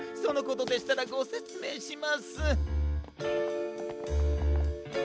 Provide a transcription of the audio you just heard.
そのことでしたらごせつめいします。